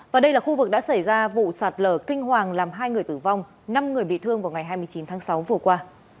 và đây là khu vực đã xảy ra vụ sạt lở kinh hoàng làm hai người tử vong năm người bị thương vào ngày hai mươi chín tháng sáu vừa qua